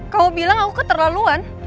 kamu bilang aku keterlaluan